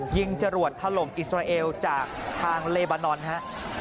จรวดถล่มอิสราเอลจากทางเลบานอนฮะ